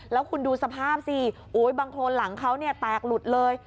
แล้วคุณดูสภาพสิบางโครนหลังเขาเนี่ยแตกหลุดเลย